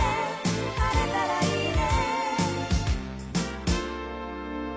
「晴れたらいいね」